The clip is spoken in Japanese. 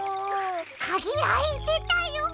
かぎあいてたよ。